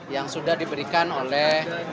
yang sudah diberikan oleh